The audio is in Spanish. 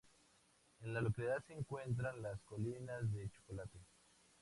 En la localidad se encuentran las Colinas de Chocolate.